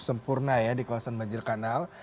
sempurna ya di kawasan banjirkanal